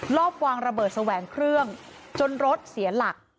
รอบวางระเบิดแสวงเครื่องจนรถเสียหลัก